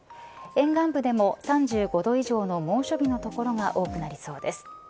沿岸部でも３５度以上の猛暑日の所が多くなりそうです。